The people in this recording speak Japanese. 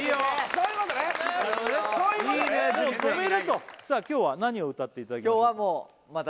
そういうことねいいね樹くんさあ今日は何を歌っていただきましょうか？